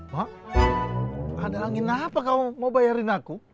mak ada langit apa kau mau bayarin aku